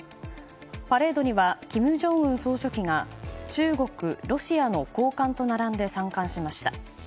パレードには金正恩総書記が中国、ロシアの高官と並んで参観しました。